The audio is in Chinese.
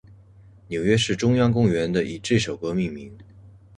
纽约市中央公园的以这首歌命名。